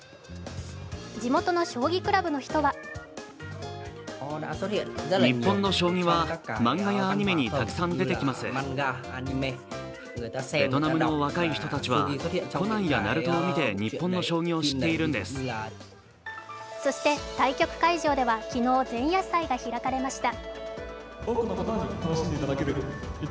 地元の将棋倶楽部の人はそして、対局会場では昨日、前夜祭が開かれました。